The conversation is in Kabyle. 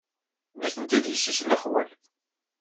Nitenti d yessi-s n lexwal.